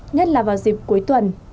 nhất là vào dịp cuối tuần